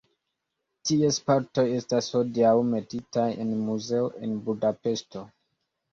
Ties partoj estas hodiaŭ metitaj en muzeo en Budapeŝto.